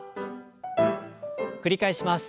繰り返します。